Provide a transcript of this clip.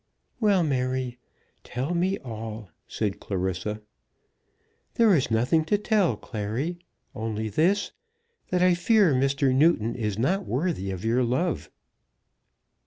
"Well, Mary; tell me all," said Clarissa. "There is nothing to tell, Clary; only this, that I fear Mr. Newton is not worthy of your love."